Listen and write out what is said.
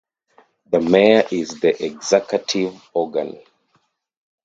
The mayor is the executive organ.